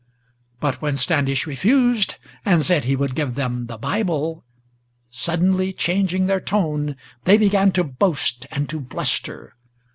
But when Standish refused, and said he would give them the Bible, Suddenly changing their tone, they began to boast and to bluster.